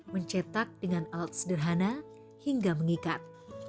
mencetak dengan alat sederhana hingga mengikat